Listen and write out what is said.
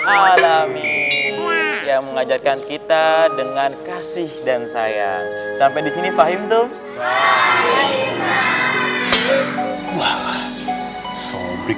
alamin yang mengajarkan kita dengan kasih dan sayang sampai di sini pahim tuh wah wah